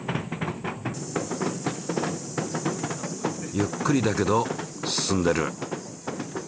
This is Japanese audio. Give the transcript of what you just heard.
ゆっくりだけど進んでる。